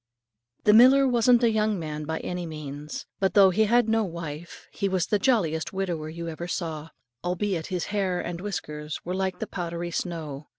The miller wasn't a young man by any means; but though he had no wife, he was the jolliest widower ever you saw, albeit his hair and whiskers were like the powdery snow.